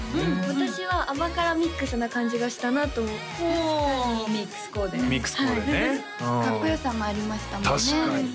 私は甘辛ミックスな感じがしたなとほうミックスコーデミックスコーデねかっこよさもありましたもんね